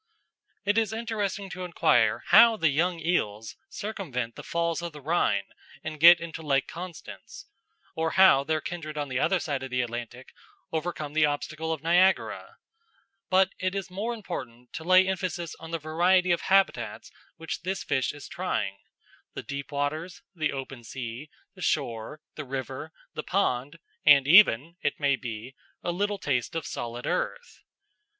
It is interesting to inquire how the young eels circumvent the Falls of the Rhine and get into Lake Constance, or how their kindred on the other side of the Atlantic overcome the obstacle of Niagara; but it is more important to lay emphasis on the variety of habitats which this fish is trying the deep waters, the open sea, the shore, the river, the pond, and even, it may be, a little taste of solid earth.